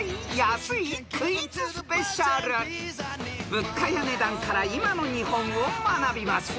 ［物価や値段から今の日本を学びます］